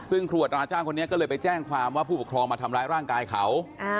ซึ่งครัวตราจ้างคนนี้ก็เลยไปแจ้งความว่าผู้ปกครองมาทำร้ายร่างกายเขา